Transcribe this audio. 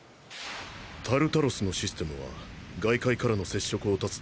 タルタロスのシステムは外界からの接触を断つ為